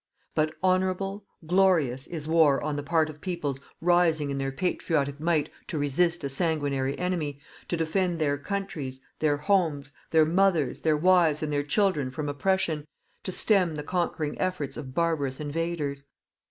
But honourable, glorious, is war on the part of peoples rising in their patriotic might to resist a sanguinary enemy, to defend their countries, their homes, their mothers, their wives and their children from oppression, to stem the conquering efforts of barbarous invaders.